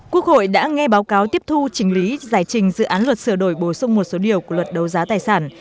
quốc hội đã nghe báo cáo tiếp thu trình lý giải trình dự án luật sửa đổi bổ sung một số điều của luật đấu giá tài sản